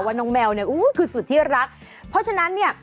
ว่าน้องแมวอู๊คือสุดที่รักเพราะฉะนั้นเนี่ย